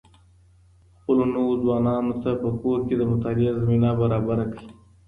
خپلو نويو ځوانانو ته په کور کي د مطالعې زمينه برابره کړئ.